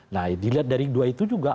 nah dilihat dari dua itu juga